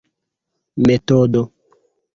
metodo